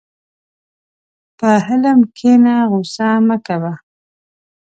په حلم کښېنه، غوسه مه کوه.